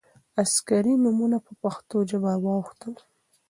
عسکري نومونه په پښتو ژبه واوښتل.